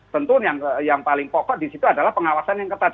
tentu yang paling pokok disitu adalah pengawasan yang ketat